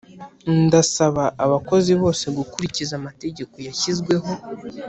Ndasaba abakozi bose gukurikiza amategeko yashyizweho